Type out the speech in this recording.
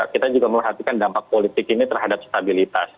kita juga memperhatikan dampak politik ini terhadap stabilitas